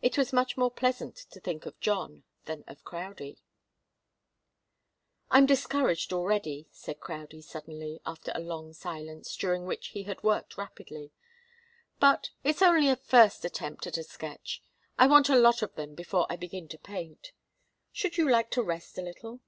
It was much more pleasant to think of John than of Crowdie. "I'm discouraged already," said Crowdie, suddenly, after a long silence, during which he had worked rapidly. "But it's only a first attempt at a sketch. I want a lot of them before I begin to paint. Should you like to rest a little?"